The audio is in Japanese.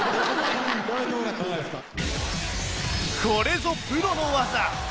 これぞプロの技